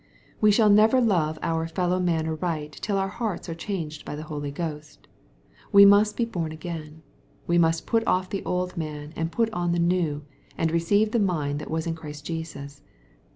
We shall never love our fellow man aright till our hearts are changed by. the Holy Ghost. We must be bom again. We must put off the old man, and put on the new, and receive the mind that was in Christ Jesus.